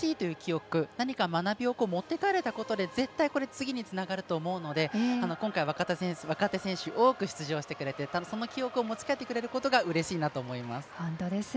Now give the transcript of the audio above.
学びを持っていけたことで絶対に次につながると思うので今回、若手選手多く出場してくれてその記憶を持ち帰ってくれることがうれしいなと思います。